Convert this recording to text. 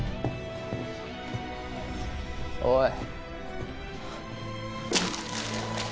おい！